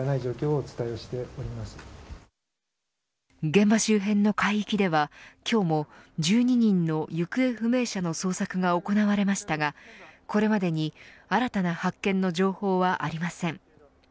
現場周辺の海域では今日も１２人の行方不明者の捜索が行われましたが、これまでに新たな発見の情報はありません。